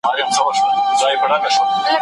وايي نسته كجاوې شا ليلا ورو ورو